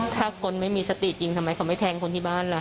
ถ้าคนไม่มีสติยิงทำไมเขาไม่แทงคนที่บ้านล่ะ